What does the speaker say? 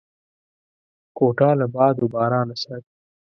کوټه له باد و بارانه ساتي.